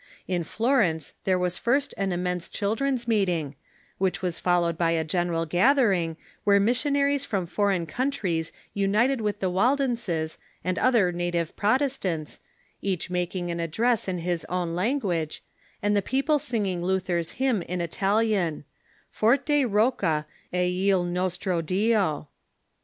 In Florence there was first an immense children's meeting, which was followed by a general gathering, where missionaries from foreign countries united with the Waldenses and other native Protestants, each making an address in his own language, and the people sing ing Luther's hymn in Italian : "Forte Rocca c il nostro Die."